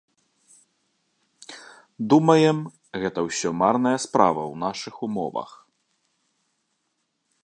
Думаем, гэта ўсё марная справа ў нашых умовах.